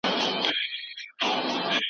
به نوو حقایقو ته